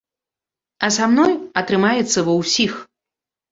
А са мной атрымаецца ва ўсіх.